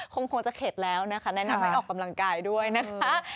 คงจะเข็ดแล้วนะคะแนะนำให้ออกกำลังกายด้วยนะคะ